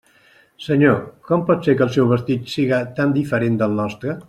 Senyor, com pot ser que el seu vestit siga tan diferent del nostre?